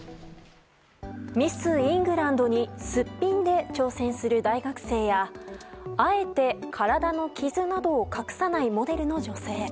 ミス・イングランドにすっぴんで挑戦する大学生やあえて体の傷などを隠さないモデルの女性。